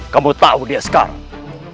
kamu tahu dia sekarang